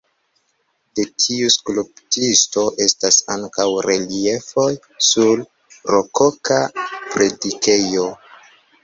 De tiu skulptisto estas ankaŭ reliefoj sur rokoka predikejo.